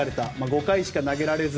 ５回しか投げられず